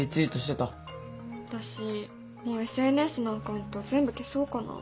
私もうＳＮＳのアカウント全部消そうかな。